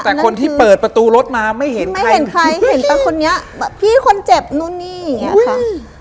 แต่คนที่เปิดประตูรถมาไม่เห็นไม่เห็นใครเห็นแต่คนนี้แบบพี่คนเจ็บนู่นนี่อย่างเงี้ยค่ะ